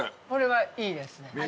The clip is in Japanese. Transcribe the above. これは、いいですね。